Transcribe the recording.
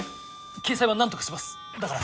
掲載は何とかしますだから。